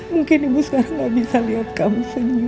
perlu kena ibu sekarang gampang lihat kamu senyum